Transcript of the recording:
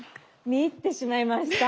見入ってしまいました。